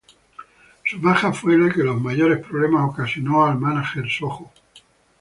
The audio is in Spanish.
Su baja fue la que mayores problemas ocasionó al manager Sojo.